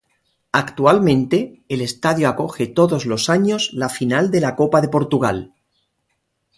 Actualmente, el estadio acoge todos los años la final de la Copa de Portugal.